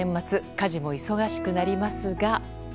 家事も忙しくなりますが。